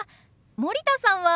森田さんは？